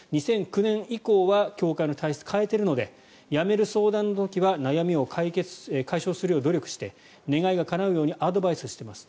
２００９年以降は教会の体質を変えているのでやめる相談の時は悩みを解消するよう努力して願いがかなうようアドバイスしています。